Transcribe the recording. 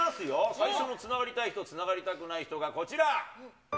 最初の、つながりたい人つながりたくない人がこちら。